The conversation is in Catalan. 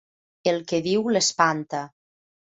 El que diu l'espanta.